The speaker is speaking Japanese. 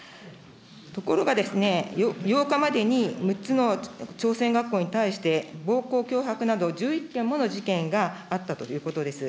ところが、８日までに６つの朝鮮学校に対して暴行、脅迫など、１１件もの事件があったということです。